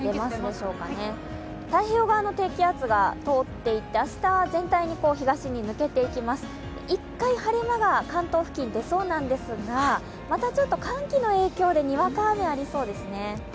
太平洋側の低気圧が通っていって、明日は全体的に東に抜けていきます、１回晴れ間が関東付近出そうなんですが、またちょっと寒気の影響でにわか雨、ありそうですね。